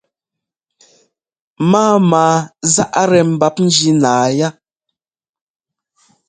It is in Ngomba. Mámaa záʼ-tɛ mbap njínáa yá.